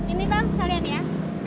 ini bang sekalian ya